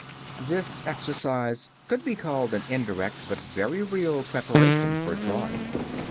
This exercise could be called an indirect but very real preparation for drawing.